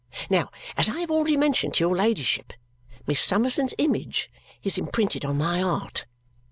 Now, as I have already mentioned to your ladyship, Miss Summerson's image is imprinted on my 'eart.